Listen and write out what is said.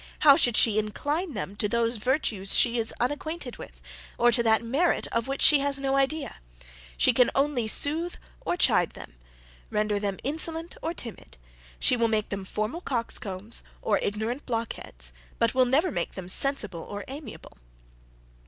How should she incline them to those virtues she is unacquainted with, or to that merit of which she has no idea? She can only sooth or chide them; render them insolent or timid; she will make them formal coxcombs, or ignorant blockheads; but will never make them sensible or amiable."